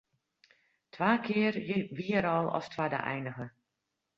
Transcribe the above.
Twa kear wie er al as twadde einige.